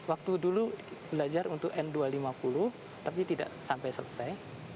waktu dulu belajar untuk n dua ratus lima puluh tapi tidak sampai selesai